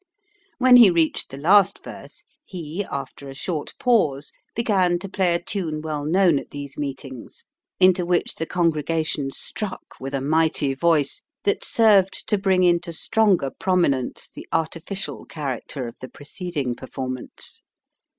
When he reached the last verse, he, after a short pause, began to play a tune well known at these meetings, into which the congregation struck with a mighty voice that served to bring into stronger prominence the artificial character of the preceding performance.